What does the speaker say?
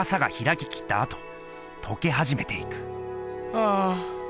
ああ。